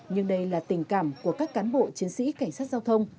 nhưng đây là tình cảm của các cán bộ chiến sĩ cảnh sát giao thông